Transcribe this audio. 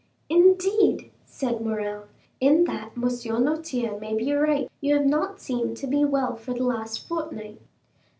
"Indeed?" said Morrel; "in that M. Noirtier may be right; you have not seemed to be well for the last fortnight."